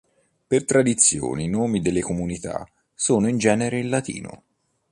Per tradizione i nomi delle comunità sono in genere in Latino.